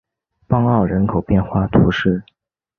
邦奥人口变化图示